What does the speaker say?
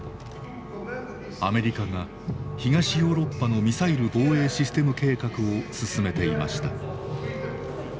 アメリカが東ヨーロッパのミサイル防衛システム計画を進めていました。